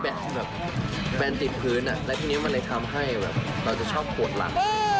แต่นี่แบนติดพื้นและทีนี้มันเลยทำให้เราจะชอบโหดรัก